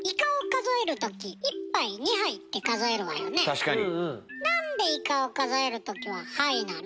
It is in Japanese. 確かに。